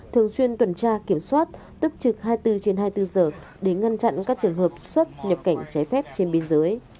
thường xuyên tuần tra kiểm soát túc trực hai mươi bốn trên hai mươi bốn giờ để ngăn chặn các trường hợp xuất nhập cảnh trái phép trên biên giới